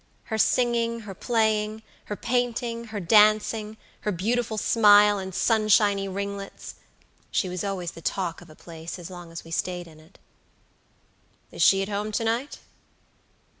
Her singing, her playing, her painting, her dancing, her beautiful smile, and sunshiny ringlets! She was always the talk of a place, as long as we stayed in it." "Is she at home to night?"